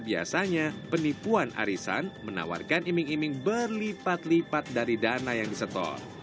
karena biasanya penipuan arisan menawarkan iming iming berlipat lipat dari dana yang disetor